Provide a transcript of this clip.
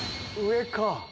上か。